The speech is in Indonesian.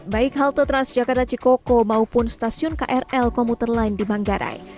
baik halte transjakarta cikoko maupun stasiun krl komuter lain di manggarai